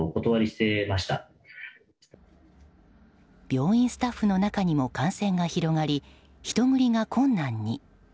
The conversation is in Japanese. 病院スタッフの中にも感染が広がり、人繰りが困難に。